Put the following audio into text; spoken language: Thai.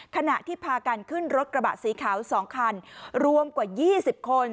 ขณะที่พากันขึ้นรถกระบะสีขาว๒คันรวมกว่า๒๐คน